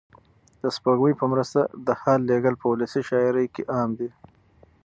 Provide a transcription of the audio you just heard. د سپوږمۍ په مرسته د حال لېږل په ولسي شاعرۍ کې عام دي.